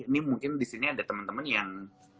nih mungkin disini ada temen temen yang